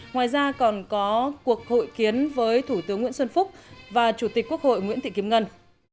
ngoài ra còn có cuộc hội kiến với thủ tướng nguyễn xuân phúc và chủ tịch quốc hội nguyễn thị kim ngân